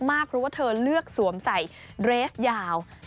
เพราะว่าเธอเลือกสวมใส่เรสยาว